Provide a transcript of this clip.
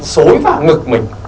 xối vào ngực mình